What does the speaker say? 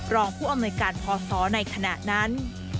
รองผู้อำนวยการพศในขณะนั้น